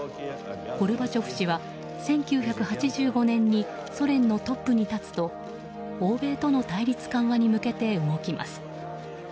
ゴルバチョフ氏は１９８５年にソ連のトップに立つと欧米との対立緩和に向けて動きます。